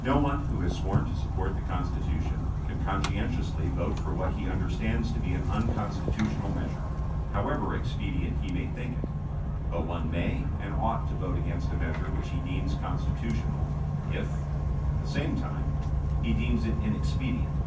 No one who has sworn to support the Constitution can conscientiously vote for what he understands to be an unconstitutional measure, however expedient he may think it; but one may and ought to vote against a measure which he deems constitutional if, at the same time, he deems it inexpedient.